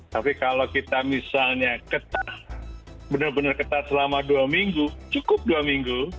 tapi kalau kita misalnya ketah benar benar ketat selama dua minggu cukup dua minggu